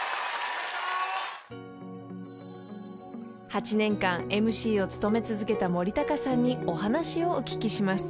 ［８年間ＭＣを務め続けた森高さんにお話をお聞きします］